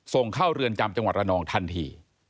ส่งเข้าเรือนจำจังหวัดระนองทันที